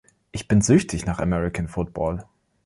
Ich bin süchtig nach American Football.